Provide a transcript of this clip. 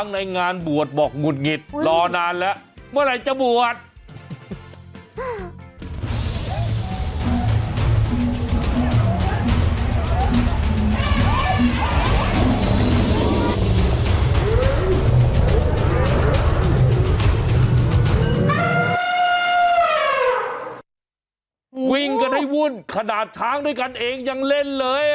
วิ่งกันให้วุ่นขนาดช้างด้วยกันเองยังเล่นเลย